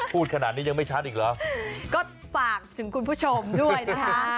พูดขนาดนี้ยังไม่ชัดอีกเหรอก็ฝากถึงคุณผู้ชมด้วยนะคะ